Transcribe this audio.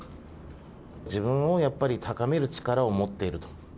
自分をやっぱり高める力を持っていると。